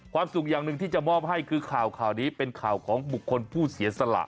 สุขอย่างหนึ่งที่จะมอบให้คือข่าวนี้เป็นข่าวของบุคคลผู้เสียสละ